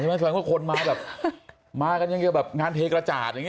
แสดงว่าคนมาแบบงานเทกระจาด